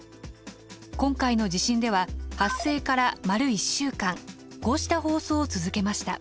今回の地震では発生から丸１週間こうした放送を続けました。